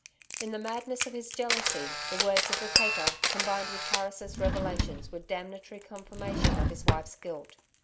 In the madness of his jealousy, the words of the paper, combined with Harris' revelations were damnatory confirmation of his wife's guilt.